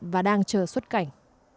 và đang chờ xuất cảnh